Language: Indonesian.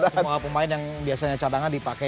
semua pemain yang biasanya cadangan dipakai